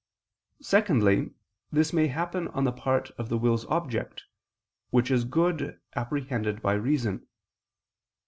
Secondly, this may happen on the part of the will's object, which is good apprehended by reason.